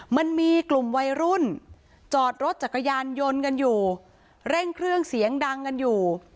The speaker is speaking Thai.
มันมีกลุ่มวัยรุ่นจอดรถจักรยานยนต์กันอยู่เร่งเครื่องเสียงดังกันอยู่